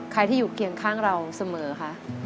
ใครที่อยู่เคียงข้างเราเสมอคะ